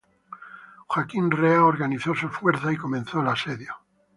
Joaquín Rea organizó sus fuerzas y comenzó el asedio.